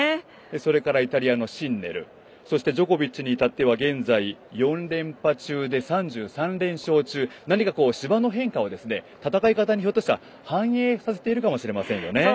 それからイタリアのシンネルジョコビッチに至っては現在４連覇中で３３連勝中、何か芝の変化を戦い方に反映させているかもしれませんよね。